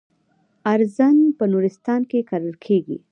ارزن په نورستان کې کرل کیږي.